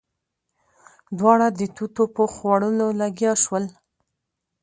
دواړه د توتو په خوړلو لګيا شول.